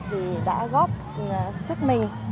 vì đã góp sức mình